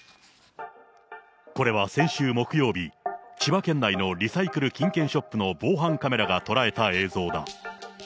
これは先週木曜日、千葉県内のリサイクル金券ショップの防犯カメラが捉えた映像だ。